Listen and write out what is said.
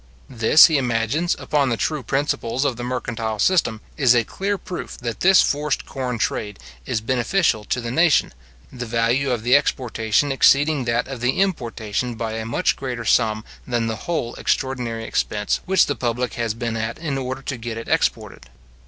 This, he imagines, upon the true principles of the mercantile system, is a clear proof that this forced corn trade is beneficial to the nation, the value of the exportation exceeding that of the importation by a much greater sum than the whole extraordinary expense which the public has been at in order to get it exported.